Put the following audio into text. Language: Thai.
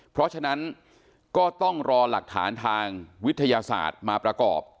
เพราะฉะนั้นก็ต้องรอหลักฐานทางวิทยาศาสตร์มาประกอบ